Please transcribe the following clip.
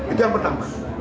itu yang pertama